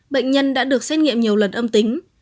bệnh nhân đã được xét nghiệm nhiều lần âm tính